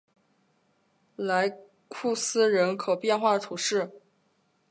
莱库斯人口变化图示